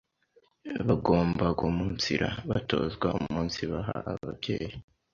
bagomba guumunsira batozwa umunsibaha ababyeyi